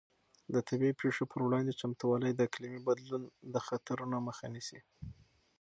د طبیعي پېښو پر وړاندې چمتووالی د اقلیمي بدلون د خطرونو مخه نیسي.